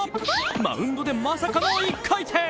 マウンドでまさかの１回転。